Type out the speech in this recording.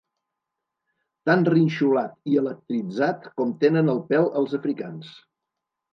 Tan rinxolat i electritzat com tenen el pèl els africans.